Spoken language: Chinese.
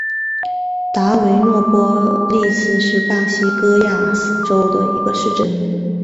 达维诺波利斯是巴西戈亚斯州的一个市镇。